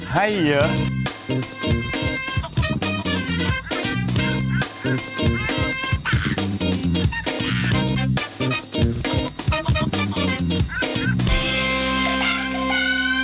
ให้เยอะ